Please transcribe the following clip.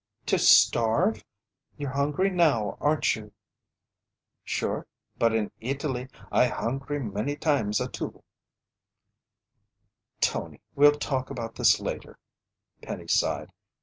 "To starve? You're hungry now, aren't you?" "Sure. But in Italy I hungry many times a too." "Tony, we'll talk about this later," Penny sighed.